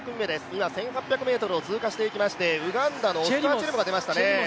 今、１８００ｍを通過していきましてウガンダのチェリモが出てきましたね。